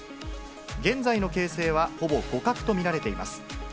現在の形勢はほぼ互角と見られています。